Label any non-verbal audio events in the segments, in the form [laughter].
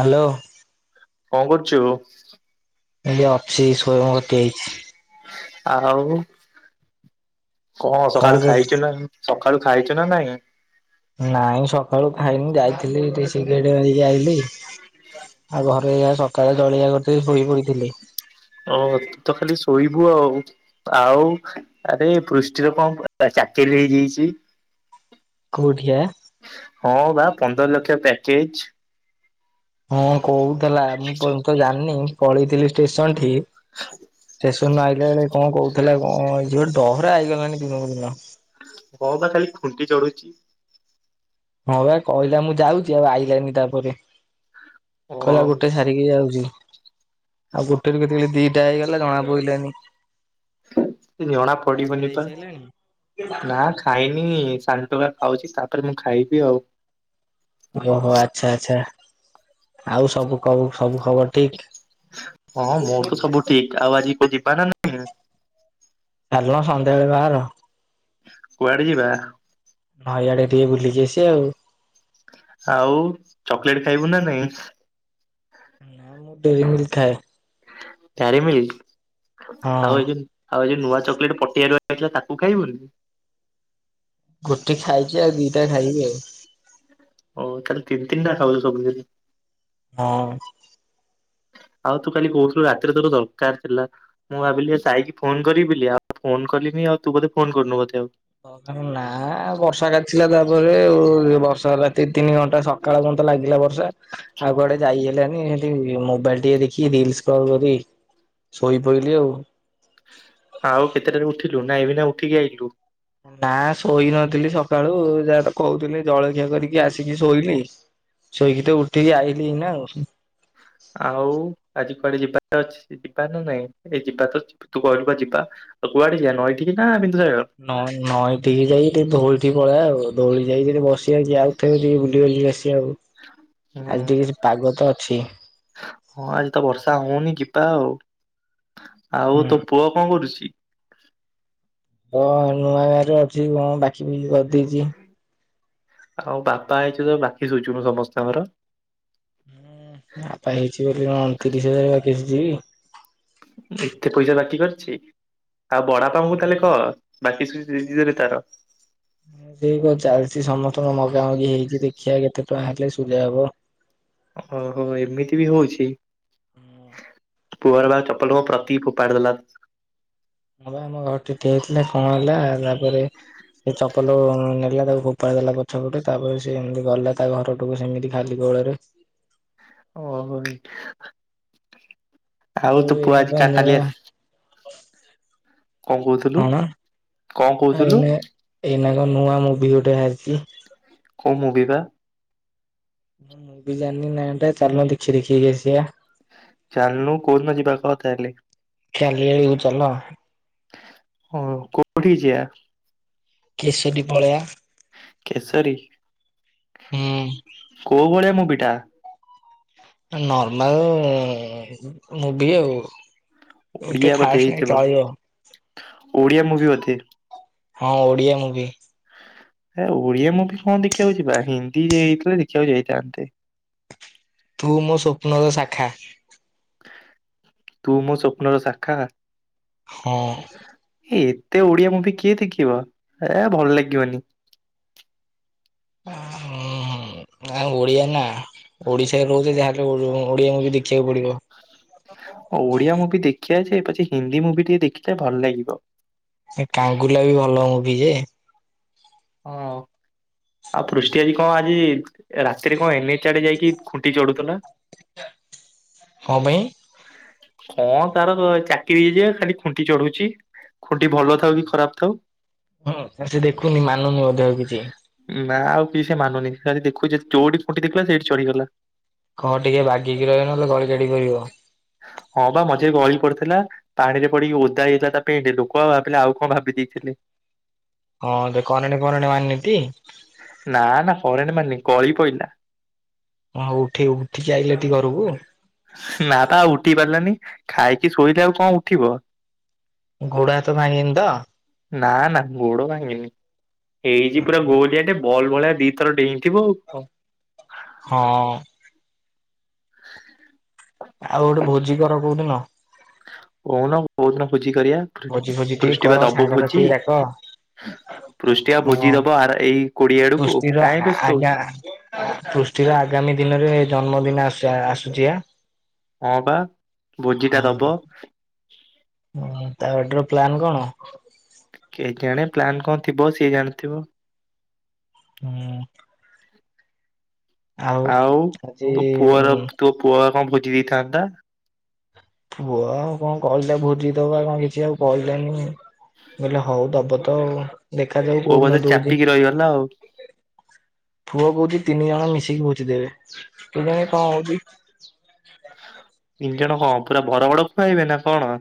Hello କରୁଛୁ? ଏଇଟି ଅଛି ସୋୟମ ଘର ଠି ଆଇଛି। ଆଉ କଣ ସକାଳୁ ଖାଇଛୁ ନା? ସକାଳୁ ଖାଇଛୁ ନା ନାଇଁ? ନାଇଁଁ ସକାଳୁ ଖାଇନି ଯାଇଥିଲି ଟିକେ ସିଗ୍ରାଡ ମାରିକି ଆଇଲି ଆଉ ଘର ଏହା ସକାଳେ ଜଳିଖିଆ କରିଥିଲି ଶୋଇ ପଡିଥିଲି। ଓହ ତୁ ତ ଖାଲି ଶୋଇବୁ ଆଉ ଆଉ। ଆରେ ପୃଷ୍ଟିର କଣ ଚାକିରି ହେଇଯାଇଛି? କୋଉଠି ବା? ହଁ ବା ପନ୍ଦର ଲକ୍ଷ ପ୍ୟାକେଜ୍। ହଁ କୋହୁଥିଲା ମୁଁ ତ ଜାଣିନି ପଳେଇଥିଲି ଷ୍ଟେସନ ଠି ଟେ ଷ୍ଟେସନ ଆସିଲା ବେଳେ କଣ କହୁଥିଲା କଣ ଗୋଟେ ଡହରା ହୋଇଗଲାଣି ଦିନକୁ ଦିନ। ହଁ ବା ଖାଲି ଖୁଣ୍ଟି ଚଢୁଛି। ହଁ ବା କହିଲା ମୁଁ ଯାଉଛି ଆଉ ଆଇଲାନି ତାପରେ। କହିଲା ଗୋଟେ ହଁ ସାରିକି ଯାଉଛି ଆଉ ଗୋଟେରୁ କେତେବେଳୁ ଦିଇଟା ହେଇଗଲା ଜଣା ପଇଲାନି। ଜଣା ପିଇବା ପଡିିବନି ପା ହେଇସାରିଲାଣି ନା ଖାଇନି ଶାନଟୋକା ଖାଉଛି ତାପରେ ମୁଁ ଖାଇବି ଆଉ। ଓହୋ ଆଚ୍ଛା ଆଚ୍ଛା ଆଉ ସବୁ କବୁ ସବୁ ଖବର ଠିକ୍? ହଁ ମୋର ତ ସବୁ ଠିକ୍। ଆଉ ଆଜି କୋ ଯିବା ନା ନାଇଁ? ଚାଲୁନ ସନ୍ଧ୍ୟାବେଳେ ବାହାର। କୁଆଡେ ଯିବା? ନଈ ଆଡେ ଟିକେ ବୁଲିକି ଆସିଆ ଆଉ। ଆଉ ଚକଲେଟ ଖାଇବୁ ନା ନାଇଁ? ନା ମୁଁ ଡେରିମିଲ୍କ ଖାଏ। ଡ୍ୟାରି ମିଲ୍କ ହଁ ଆଉ [unintelligible] ଆଉ ଯୋଉ ନୂଆ ଚକୋଲେଟ୍ ପଟିଆରୁ ଆଣିଥିଲା ତାକୁ ଖାଇବୁନି? ଗୋଟେ ଖାଇଛି ଆଉ ଦିଟା ଖାଇବି ଆଉ ହଉ ତାହାଲେ ତିିନି ତିିନିଟା ଖାଉଛୁ ସବୁଦିନ ହଁ। ଆଉ ତୁ କାଲି କହୁଥିଲୁ ରାତିରେ ତୋତେ ଦରକାର ଥିଲା। ମୁଁ ଭାବିଲି ସାଇକି ଫୋନ କରିବି ବୋଲିି ଆଉ ଫୋନ କଲିିନି ଆଉ ତୁ ବୋଧେ ଫୋନ କରିନୁ ବୋଧେ ଆଉ ନା ବର୍ଷା କାଚିଲା ତାପରେ ଆଉ ବର୍ଷା ହେଲା ଦି ତିନି ଘଣ୍ଟା ସ ସକାଳ ପର୍ଯ୍ୟନ୍ତ ଲାଗିଲା ବର୍ଷା। ଆଉ କୁଆଡେ ଯାଇ ହେଲାନି ହେମିତି ମୋବାଇଲ ଟିକେ ଦେଖି ରିଲସ ସ୍କ୍ରୋଲ୍ କରି। ଶୋଇପଇଲି ଆଉ। ଆଉ କେତେଟାରେ ଉଠିଲୁ ନା ଏବେ ନା ଉଠିକି ଆଇଲୁ? ନା ଶୋଇ ନଥିଲି ସକାଳୁ ଯାହା ତ କହୁଥିଲି ଜଳଖିଆ କରିକି ଆସିକି ଶୋଇଲି। ଶୋଇକି ତ ଉଠିକି ଆଇଲିି ଏଇନା ଆଉ। ଆଉ ଆଜି କୁଆଡେ ଯିବାର ଅଛି? ସେ ଯିବା ନା ନାଇଁ ଏ ଯିବା ତ ତୁ କହିଲୁ ପା ଯିବା ଆଉ କୁଆଡେ ଯିବା ନଈ ଠିକି ନା ବିନ୍ଦୁ ସାଗର? ନଇ ନଈଠିକି ଯାଇକି ଟିକେ ଧଉଳି ଠିକି ପଳେଇବା ଆଉ। ଧଉଳି ଯାଇ ସେଠି ବସିିବା ଯାଉଛେ ଟିକେ ବୁଲି ବାଲି ଆସିବା ଆଉ ଆଜି ହୁଁ ଟିକେ କିଛି ପାଗ ତ ଅଛି। ହଁ ଆଜି ତ ବର୍ଷା ହଉନି ଯିବା ଆଉ। ଆଉ ହୁଁ ତୋ ପୁଅ କଣ କରୁଛି? ହଁ ନୂଆ ଗାଁରେ ଅଛି କଣ ବାକି ବୁକି କରିଦେଇଛି। ଆଉ ବାପା ହେଇଚୁ ତ ବାକି ଶୁଝୁନୁ ସମସ୍ତଙ୍କର। ବାପା ହେଇଛି ବୋଲି କଣ ତିରିଶ ହଜାର ବାକି ଶୁଝିବି? ଏତେ ପଇସା ବାକି କରିଛି ଆଉ ବଡବାପାଙ୍କୁ ତାହେଲେ କହ ବାକି ସୁଝି ସୁଝି ଦେବେ ତାର। ଆଉ ସେଇ କଣ ଚାଲିଛି ସମସ୍ତଙ୍କ ମଗା ମଗି ହେଇଛି ଦେଖିବା କେତେ ଟଙ୍କା ହେଲେ ସୁଝା ହବ। ଓ ହୋ ଏମିତି ବି ହଉଛି। ପୁଅର ବା ଚପଲ କଣ ପ୍ରତିକ ଖୋପାଡି ଦେଲା। ହଁ ବା ଆମ ଘରଠି ଠିଆ ହେଇଥିଲେ କଣ ହେଲା ତାପରେ। ସେ ଚପଲ ନେଲା ତାକୁ ଖୋପାଡ଼ି ଦେଲା ପଛ ପଟେ ତାପରେ ସେ ଏମିତି ଗଲା ତା ଘର ଘର କୁ ସେମିତି ଖାଲି ଗୋଡରେ। ଓହୋ ଆଉ ତ ପୁଅ ଆଜି କା-କାଲି ଆସ ହଁ ହଁ କଣ କହୁଥିଲୁ କଣ କହୁଥିଲୁ? ଏଇନା ଏଇନା କଣ ନୂଆ ମୁଭି ଗୋଟେ ବାହାରିଛି। କଉ ମୁଭି ବା? ମୁଁ ମୁଁ ବି ଜାଣିନି ନାଟା ଚାଲୁନ ଦେଖି ଦେଖିକି ଆସିବା। ଚାଲୁନୁ କଉଦିନ ଯିବା କହ ତାହେଲେ? କାଲି ଆଡ଼କୁ ଚାଲ। ହଉ କୋଉଠିକି ଯିବା? କେଶରୀ ପଳେଇବା। କେଶରୀ ହୁଁ କୋଉ ଭଳିଆ ମୁଭି ଟା? ନର୍ମାଲ ଉମ୍ ମୁଁଭି ଆଉ। ଏତେ ଓଡିଆ ବୋଧେ ଖାସ ନାଇଁ ହେଇଥିବ ଚଳିବ। ଓଡିଆ ମୁଭି ବୋଧେ ହଁ ଓଡିଆ ମୁଭି। ଏ ଓଡିଆ ମୁଭି କଣ ଦେଖିବାକୁ ଯିବା ହିନ୍ଦୀ ହେଇଥିଲେ ଦେଖିବାକୁ ଯାଇଥାନ୍ତେ। ତୁ ମୋ ସ୍ୱପ୍ନର ଶାଖା। ତୁ ମୋ ସ୍ୱପ୍ନର ଶାଖା। ହଁ। ଏ ଏତେ ଓଡିଆ ମୁଭି କିଏ ଦେଖିବ ଏ ଭଲ ଲାଗିବନି। [inaudible] ହୁଁ ନା ଓଡିଆ ନା ଓଡିଶାରେ ରହୁଛ ଯାହାେଲେ ଓଡିଆ ମୁଭି ବି ଦେଖିବାକୁ ପଡିବ। ଓଡିଆ ମୁଭି ଦେଖିବାଆ ଯେ ପଛେ ହିନ୍ଦୀ ମୁଭି ଟିକେ ଦେଖିଥିଲେ ଟିକେ ଭଲ ଲାଗିବ। କାଙ୍ଗୁଲା ବି ଭଲ ମୁଭି ଯେ। ହଁ ଆଉ ପୃଷ୍ଟି ଆଜି କଣ ଆଜି ରାତିରେ କଣ ଏନଏଚ ଆଡେ ଯାଇକି ଖୁଣ୍ଟି ଚଢୁଥିଲ? କଁ ପାଇଁ? କଣ ତାର ଚାକିରି ହେଇଛିଯେ ଖାଲି ଖୁଣ୍ଟି ଚଢୁଛି। ଖୁଣ୍ଟି ଭଲ ଥାଉ କି ଖରାପ ଥାଉ। ହୁଁ ସେ ଦେଖୁନି ମାନୁନି ମଧ୍ୟ ଆଉ କିଛି। ନା ଆଉ କି ସେ ମାନୁନି ସେ ଖାଲି ଦେଖୁଛି ଯୋଉଠି ଖୁଣ୍ଟି ଦେଖିଲା ସେଇଠି ଚଢିଗଲା। କହ ଟିକେ ବାହେଇକି ରହିବ ନହେଲେ ଗଳି ଗାଡି ପଡିବ। ହଁ ବା ମଝିରେ ଗଳି ପଡିଥିଲା। ପାଣିରେ ପଡିକି ଓଦା ହୋଇଯାଥିଲା ତା ପେଣ୍ଟ ଲୋକ ଆଉ ଭାବିଲେ ଆଉ କଣ ଭାବି ଦେଇଥିଲେ। ହଁ ତ କରେଣ୍ଟ ଫରେଣ୍ଟ ମାରିନିଟି। ନା ନା କରେଣ୍ଟ ମାରିନି ଗଳି ପଇଲି। ହଁ ଉଠି, ଉଠିକି ଆଇଲେ ଟି ଘରକୁ। ନା ପା ଆଉ ଉଠି ପାରିଲାନି ଖାଇକି ଶୋଇଲେ ଆଉ କଣ ଉଠିବ? ଗୋଡହାତ ଭାଙ୍ଗନି ତ? ନା ନା ଗୋଡ ଭାଙ୍ଗିନି ଏଇଯି ପୁରା ଗୋଲିଆ ବଲ୍ ଭଳିଆ ଦି ଥର ଡେଇଁଥିବ ଆଉ କଣ? ହଁ। ଆଉ ଗୋଟେ ଭୋଜି କର କଉଦିନ। କହୁନ କୋଉ ଦିନ ଭୋଜି କରିବା ଭୋଜି ଫୋଜି ଟିକେ ପୃଷ୍ଟି ବା କର ଦବ ସାଙ୍ଗସାଥି ଭୋଜି। ଡାକ ପୃଷ୍ଠଟିଆ ଭୋଜି ହଁ ଦବ ଆ ଏଇ କୋଡିଆ ଆଡକୁ ପୃଷ୍ଟିର କାଇଁ ଆ ବ୍ୟସ୍ତ ହଉଛୁ। ଆଗା ପୃଷ୍ଟିର ଆଗାମୀ ଦିନରେ ଜନ୍ମଦିନଆସ ଆସୁଛି ଆ। ହଁ ବା ଭୋଜି ଟା ଦବ। ହୁଁ ତା ଏଟର ପ୍ଲାନ କଣ? କେ ଜାଣେ ପ୍ଲାନ କଣ ଥିବ ସିଏ ଜାଣିଥିବ। ହୁଁ। ଆଉ ଆଜି ତୋ ପୁଅର ତୋ ପୁଅ ପା କଣ ଭୋଜି ଦେଇଥାନ୍ତା। ପୁଅ ଆଉ କଣ କହିଲା ଭୋଜି ଦବ ଆଉ କଣ କିଛି ଆଉ କହିଲାନି। କହିଲେ ହଉ ଦବ ତ ଆଉ ଦେଖାଯାଉ କଉଦିନ ଦଉଚି। ହେଲା ଆଉ। ପୁଅ କହୁଛି ତିନି ଜଣ ମିଶିକି ବୁଝିଦେବେ କେଜାଣି କଣ ହଉଛି। ତିନି ଜଣ କଣ ପୁରା ବଡ ବଡ ଖୁଆଇବେ ନା କଣ?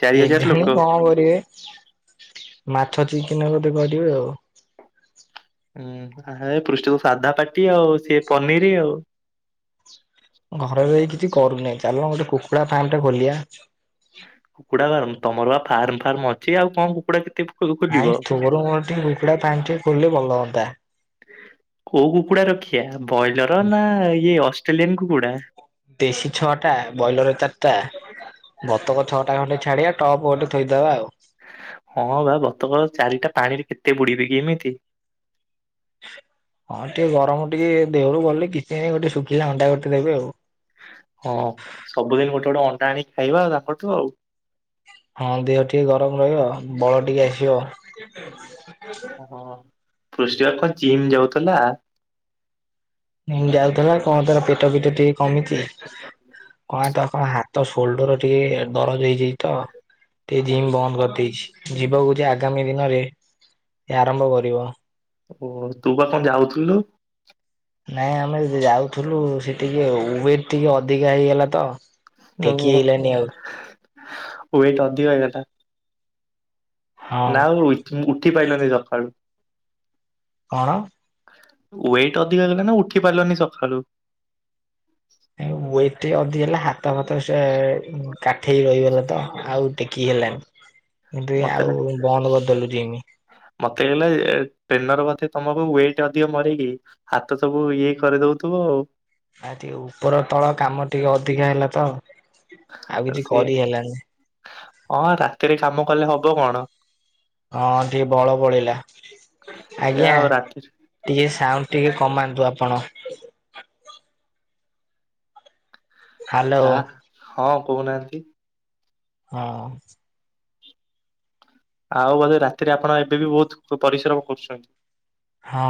ଚାରି ହଜାର ଏଜାଣି ଲୋକ କଣ କରିବେ ମାଛ ଚିକେନନେ ବୋଧେ କରିବେ ଆଉ। ହୁଁ ହାଏ ପୃଷ୍ଠିତ ସାଧା ପାଟି ଆଉ ସିଏ ପନିର ଆଉ। ଘରେ ଭାଇ କିଛି କରୁନାହିଁ ଚାଲୁ ନା ଗୋଟେ କୁକୁଡ଼ା ଫାର୍ମଟେ ଖୋଲିବା। କୁକୁଡ଼ା ଫାର୍ମ ତମର ବା ଫାର୍ମ ଫାର୍ମ ଅଛି ଆଉ କଣ କୁକୁଡ଼ା କେତେ ନାଇଁ ଖୋଲିବ ତୁମର ମୋର ଟିକେ କୁକୁଡ଼ା ପାଣି ଟେ ଖୋଲିଲେ ଭଲ ହୁଅନ୍ତା। କୋଉ କୁକୁଡା ରଖିଆ ବ୍ରଏଲର ନା ଇଏ ଅଷ୍ଟ୍ରେଲିଆନ କୁକୁଡା? ଦେଶୀ ଛଅଟା, ବ୍ରଏଲର ଚାରିଟା ବତକ ଛଅଟା ଖଣ୍ଡେ ଛାଡିଆ, ଟପ୍ ଗୋଟେ ଥୋଇଦବା ଆଉ। ହଁ ବା, ବତକଳ ଚାରିଟା ପାଣିରେ କେତେ ବୁଡିବେ କି ଏମିତି? ହଁ ଟିକେ ଗରମ ଟିକେ ଦେହରୁ ଗଲେ, କିଛି ନାଇଁ ଗୋଟେ ଶୁଖିଲା ଅଣ୍ଡା ଗୋଟେ ଦେବେ ଆଉ। ହଁ, ସବୁଦିନ ଗୋଟେ ଗୋଟେ ଅଣ୍ଡା ଆଣିକି ଖାଇବା ଆଉ ତାଙ୍କଠୁ ଆଉ। ହଁ ଦେହ ଟିକେ ଗରମ ରହିବ ଆଉ ବଳ ଟିକେ ଆସିବ। ଓହୋ। ପୃଷ୍ଟି ବା କଣ ଜିମ୍ ଯାଉଥିଲା? ଜିମ୍ ଯାଉଥିଲା କଣ ତାର ପେଟ ଫେଟ ଟିକେ କମିଚି କଣ ତା କଣ ହାତ ସୋଲଡର ଟିକେ ଦରଜ ହେଇଯାଇଛି ତ ଟିକେ ଜିମ୍ ବନ୍ଦ କରିଦେଇଛି। ଯିବାକୁ କହୁଚି ଆଗାମୀ ଦିନରେ ଆରମ୍ଭ କରିବ। ଓ, ତୁ ବା କଣ ଯାଉଥୁଲୁ? ନାଇଁ ଆମେ ଯି ଯାଉଥୁଲୁ ସେଠିକି ଆଉ। ୱେଟ୍ ଟିକେ ଅଧିକା ହେଇଗଲା ତ ଓ, ଟେକି ହେଇଲାନି ଆଉ ୱେଟ ଅଧିକ ହେଇଗଲା? ହଁ ନା ଆଉ ଉତ୍-ଉଠି ପାଇଲୁନି ସକାଳୁ। କଣ? ୱେଟ ଅଧିକା ହେଇଗଲା ନା, ଉଠି ପାରିଲନି ସଖାଳୁ? ନାଇଁ ୱେଟ ଟିକେ ଅଧିକ ହେଲା, ହାତ ଫାତ ସେ କାଠେଇ ରହିଗଲା ତ, ଆଉ ଟେକି ହେଲାନି। [inaudible] ଏବେ ମତେ ଆଉ ଲା- ବନ୍ଦ କରିଦେଲୁ ଜିମି। ମତେ ହେଲା ଯେ, ଏ ଟ୍ରେନର ବୋଧେ ତମକୁ ୱେଟ ଅଧିକ ମରେଇକି ହାତ ସବୁ ଇଏ କରେଇ ଦଉଥିବ ଆଉ। ଆ ଟିକେ ଉପର ତଳ କାମ ଟିକେ ଅଧିକା ହେଲା ତ ଆଉ କିଛି ସିଏ, କରି ହେଲାନି ହଁ ରାତିରେ କାମ କଲେ ହବ କଣ? ହଁ ଟିକେ ବଳ ପଳେଇଲା। ସେୟା ଆଜ୍ଞା ଆଉ ରାତିରେ ଟିକେ ସାଉଣ୍ଡ ଟିକେ କମାନ୍ତୁ ଆପଣ। ହ୍ୟାଲୋ କାହା, ହଁ କହୁନାହାଁନ୍ତି? ହଁ। ଆଉ ବୋଧେ ରାତିରେ ଆପଣ ଏବେ ବି ବହୁତ ପ-ପରିଶ୍ରମ କରୁଛନ୍ତି? ହଁ।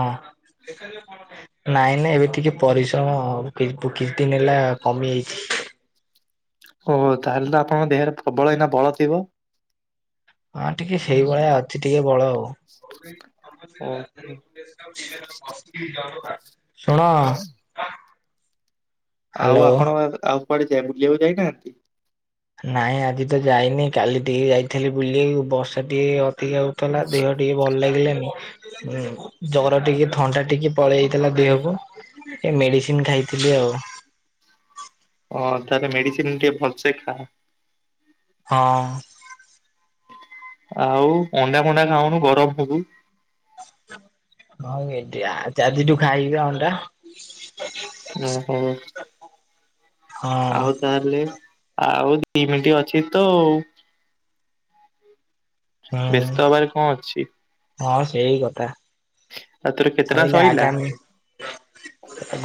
ନାଇଁ ନାଇଁ ଏବେ ଟିକେ ପରିଶ୍ରମ ଆଉ। କିସ୍ ବୁ କିଛ ଦିନ ହେଲା କମି ଯାଇଛି। ଓହୋ। ତାହେଲେ ତ ଆପଣଙ୍କ ଦେହରେ ପ୍ରବଳ ଏଇନା ବଳ ଥିବ? ହଁ ଟିକେ ସେଇଭଳିଆ ଅଛି ଟିକେ ବଳ ଆଉ। ଓହୋ ଶୁଣ ଆଉ ହ୍ୟାଲୋ। ଆପଣଙ୍କ, ଆଉ କୁଆଡେ ଯାଇ ବୁଲିବାକୁ ଯାଇନାହାଁନ୍ତି? ନାଇଁ ଆଜି ତ ଯାଇନି, କାଲି ଟିକେ ଯାଇଥେଲି ବୁଲି ବର୍ଷା ଟିକେ ଅଧିକା ଆଉ ତଲା, ଦେହ ଟିକେ ଭଲ ଲାଗିଲାନି ହୁଁ, ଜର ଟିକେ, ଥଣ୍ଡା ଟିକେ, ପଳେଇଯାଇଥିଲା ଦେହକୁ ଏ ମେଡ଼ିସିନ ଖାଇଥିଲି ଆଉ। ଓ, ତାହେଲେ ମେଡିସିନ ଟିକେ ଭଲସେ ଖାଅ। ହଁ। ଆଉ ଅଣ୍ଡା ଫଣ୍ଡା ଖାଉନୁ, ଗରମ ହବୁ। ହଉ [unintelligible] ଆଜ-ଆଜିଠୁ ଖାଇବି ବା ଅଣ୍ଡା। ହୁଁ ହଁ। ହଁ। ତାହେଲେ ଆଉ ଦି ମିଣ୍ଟି ଅଛି ତ ଆଉ। ହୁଁ ବ୍ୟସ୍ତ ହବାରେ କଣ ଅଛି? ହଁ ସେଇ କଥା। ଆଉ ତୋର କେତେଟା ସଇଲେ ସଇଲା? ଆଗାମୀ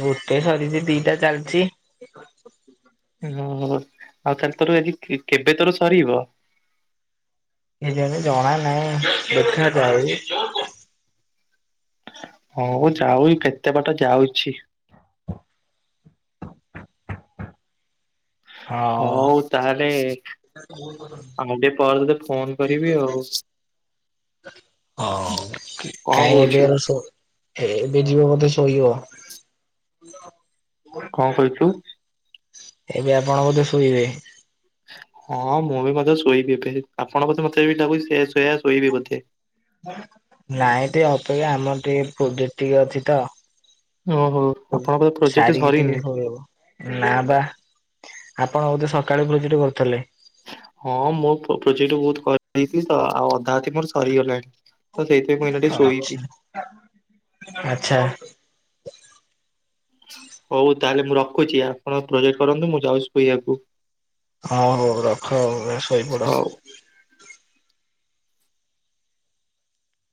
ଗୋଟେ ସରିଛି, ଦିଟା ଚାଲିଛି ହୁଁ ଓ-ଓ, ଆଉ ତାହେଲେ ତୋର ଆଜି କେ-କେବେ ତୋର ସରିବ? ଏ ଯେବେ ଜଣା ନାଇଁ ଦେଖା ଯାଉ ହଉ ଯାଉ କେତେ ବାଟ ଯାଉଛି। ହଉ ତାହେଲେ ଭୁଲ କରନି। ମୁଁ ଟେ ପରେ ତତେ ଫୋନ କରିବି ଆଉ। ହଉ କି କଣ ଥାଇ ଏବେ କହୁଛୁ? ଆଉ ସେ ହେ ଏବେ ଯିବ ବୋଧେ ଶୋଇିବ? କଣ କହିଛୁ? ଏବେ ଆପଣ ବୋଧେ ଶୋଇବେ? ହଁ ମୁଁ ବି ମଧ୍ୟ ଶୋଇବି ଏବେ ଆପଣ ବୋଧେ ମତେ [unintelligible] ସେ ଶୋଇ ଶୋଇବି ବୋଧେ। ନାଇଁ ଟିକେ ଅପେକ୍ଷା ଆମର ଟିକେ ପ୍ରୋଜେକ୍ଟ ଟିକେ ଅଛି ତ। ଓହୋ ଆପଣଙ୍କ ବୋଧେ ପ୍ରୋଜେକ୍ଟ ସାରିକି ଟିକେ ସରିନି? ଶୋଇବୁ। ନା ବା ଆପଣ ବୋଧେ ସକାଳୁ ପ୍ରୋଜେକ୍ଟ କରୁଥିଲେ? ହଁ ମୁଁ ପ୍ରୋଜେକ୍ଟ ବହୁତ କରିଦେଇଛି ତ ଆଉ ଅଧା ଅଛି ମୋର ସରିଗଲାଣି। ତ ସେଇଥି ପାଇଁ [unintelligible] ଶୋଇବି। ଆଛା। ହଉ ତାହେଲେ ମୁଁ ରଖୁଛି ଆପଣ ପ୍ରୋଜେକ୍ଟ କରନ୍ତୁ ମୁଁ ଯାଉଛି ଶୋଇବାକୁ। ହଉ ହଉ ରଖ ଆଉ ଯାଅ ଶୋଇପଡ। ହଉ।